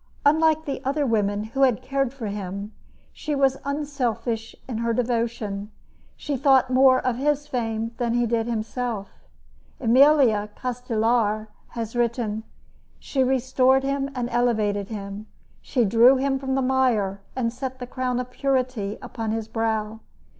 Unlike the other women who had cared for him, she was unselfish in her devotion. She thought more of his fame than did he himself. Emilio Castelar has written: She restored him and elevated him. She drew him from the mire and set the crown of purity upon his brow.